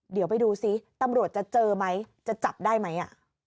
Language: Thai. เดี๋ยวไปดูซิตำรวจจะเจอไหมจะจับได้ไหม